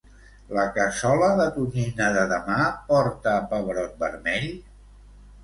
La cassola de tonyina de demà porta pebrot vermell?